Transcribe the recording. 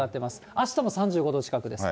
あしたも３５度近くです。